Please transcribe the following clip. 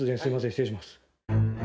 失礼します。